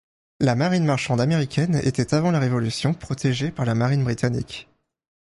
La marine marchande américaine était avant la révolution protégée par la marine britannique.